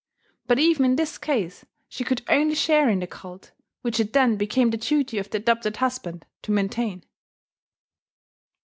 But even in this case, she could only share in the cult, which it then became the duty of the adopted husband to maintain.